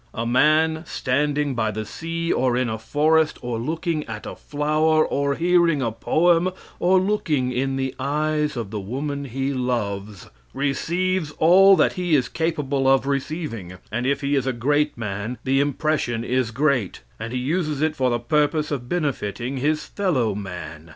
A man standing by the sea, or in a forest, or looking at a flower, or hearing a poem, or looking in the eyes of the woman he loves, receives all that he is capable of receiving and if he is a great man the impression is great, and he uses it for the purpose of benefiting his fellow man.